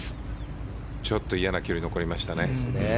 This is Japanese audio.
ちょっといやな距離が残りましたね。